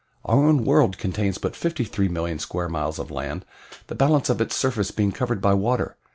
Our own world contains but 53,000,000 square miles of land, the balance of its surface being covered by water.